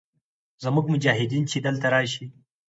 زموږ مجاهدین چې دلته راشي.